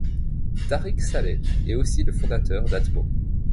Tarik Saleh est aussi le fondateur d'Atmo.